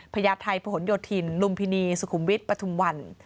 พญาไทยผนโยธินลุมพินีสุขุมวิทย์ปฐุมวัน